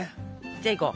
じゃあいこう。